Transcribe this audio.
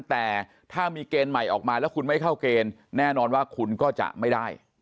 แต่ถ้ามีเกณฑ์ใหม่ออกมาแล้วคุณไม่เข้าเกณฑ์แน่นอนว่าคุณก็จะไม่ได้